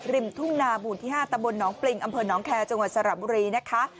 ทุ่งนาหมู่ที่๕ตะบลหนองปริงอำเภอน้องแคร์จังหวัดสระบุรีนะคะ